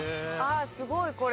すごいこれ。